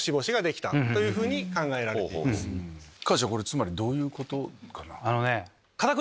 カズちゃんこれつまりどういうことかな？